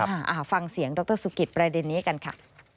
ฮ่าฟังเสียงดรสุกิบรายเดอดินเนี่ยกันค่ะ